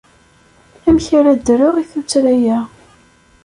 Amek ara d-rreɣ i tuttra-a?